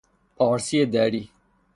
پارسی دری